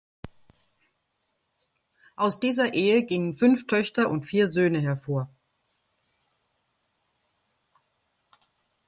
Aus dieser Ehe gingen fünf Töchter und vier Söhne hervor.